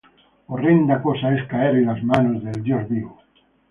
Horrenda cosa es caer en las manos del Dios vivo.